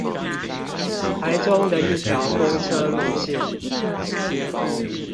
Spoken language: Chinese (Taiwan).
台中的一條公車路線